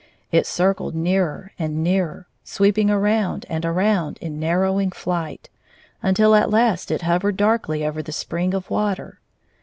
It circled nearer and nearer, sweeping around and around in narrowing flight, until at last it hovered darkly over the spring of water.